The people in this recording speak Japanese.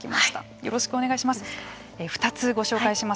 よろしくお願いします。